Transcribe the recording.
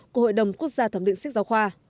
của hội đồng quốc gia thẩm định sách giáo khoa